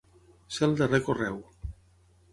Ser el darrer correu.